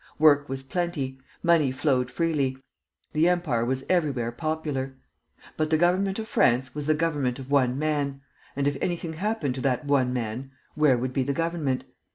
Work was plenty; money flowed freely; the empire was everywhere popular. But the government of France was the government of one man; and if anything happened to that one man, where would be the government?